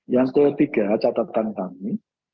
yang ketiga catatan kami